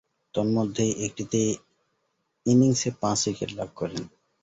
তন্মধ্যে, একটিতে ইনিংসে পাঁচ-উইকেট লাভ করেন।